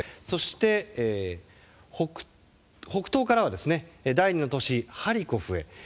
そして、北東からは第２の都市ハリコフへ。